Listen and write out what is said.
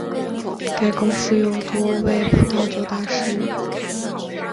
该公司有多位葡萄酒大师。